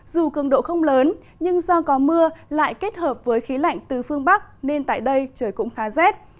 dù cường độ không lớn nhưng do có mưa lại kết hợp với khí lạnh từ phương bắc nên tại đây trời cũng khá rét